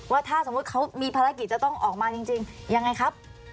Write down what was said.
ว่าถ้าสมมุติเขามีภารกิจจะต้องออกมาจริงยังไงครับ